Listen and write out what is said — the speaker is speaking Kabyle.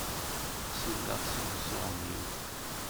Selleɣ s imeẓẓuɣen-iw.